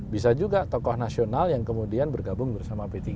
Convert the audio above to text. bisa juga tokoh nasional yang kemudian bergabung bersama p tiga